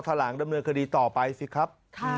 หลังดำเนินคดีต่อไปสิครับ